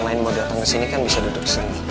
ya makasih pak